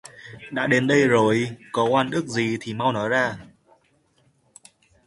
Đã đến đây rồi có oan ức gì thì mau nói ra